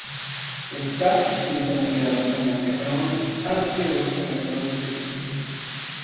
Está escrito muy cuidadosamente, con un amplio uso de trazos de pie.